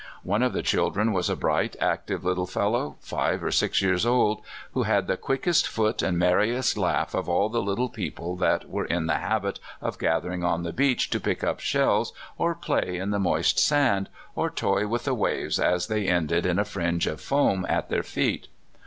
One of the children was a bright, active little fel low, five or six years old, who had the quickest foot and merriest laugh of all the little people that were in the habit of gathering on the beach to pick up shells, or play in the moist sand, or toy with the waves as they ended in a fringe of foam at their feet.